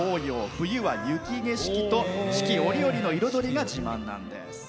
冬は雪景色と四季折々の彩りが自慢なんです。